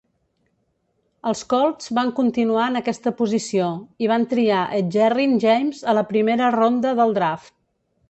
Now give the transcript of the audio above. Els Colts van continuar en aquesta posició, i van triar Edgerrin James a la primera ronda del draft.